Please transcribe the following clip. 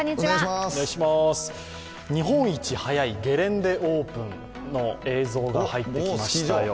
日本一早いゲレンデオープンの映像が入ってきましたよ。